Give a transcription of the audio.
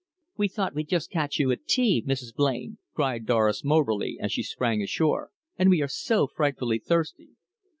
"We thought we'd just catch you at tea, Mrs. Blain," cried Doris Moberly as she sprang ashore. "And we are so frightfully thirsty."